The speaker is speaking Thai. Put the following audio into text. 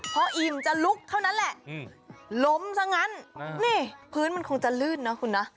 พออิ่มจะลุกเท่านั้นแหละล้มซะงั้นนี่พื้นมันคงจะลื่นนะคุณนะ